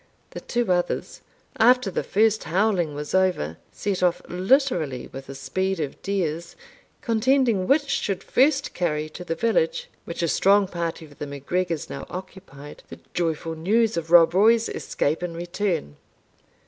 The two others, after the first howling was over, set off literally with the speed of deers, contending which should first carry to the village, which a strong party of the MacGregors now occupied, the joyful news of Rob Roy's escape and return.